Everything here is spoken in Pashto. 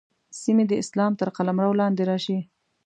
سیمې د اسلام تر قلمرو لاندې راشي.